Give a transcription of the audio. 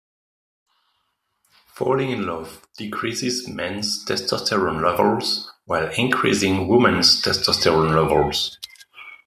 Falling in love decreases men's testosterone levels while increasing women's testosterone levels.